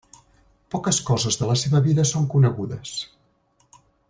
Poques coses de la seva vida són conegudes.